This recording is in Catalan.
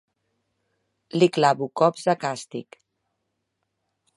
Li clavo cops de càstig.